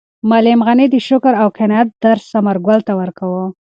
معلم غني د شکر او قناعت درس ثمرګل ته ورکاوه.